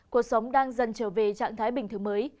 cuộc sống đang dần trở về trạng thái bình thường mới